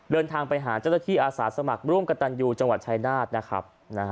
เดินทางไปหาเจ้าหน้าที่อาสาสมัครร่วมกับตันยูจังหวัดชายนาฏนะครับ